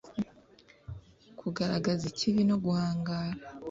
kugaragaza ikibi no guhangara